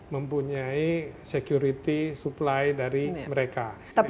mempunyai security supply dari mereka